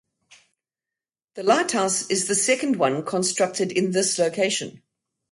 The lighthouse is the second one constructed in this location.